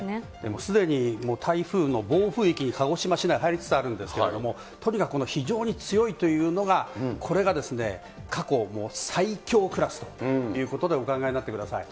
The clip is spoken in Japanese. もうすでに台風の暴風域に鹿児島市内、入りつつあるんですけれども、とにかくこの非常に強いというのが、これが過去最強クラスということでお考えになってください。